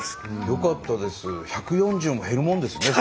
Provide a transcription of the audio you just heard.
よかったです。